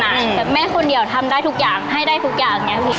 แต่แม่คนเดียวทำได้ทุกอย่างให้ได้ทุกอย่างอย่างนี้พี่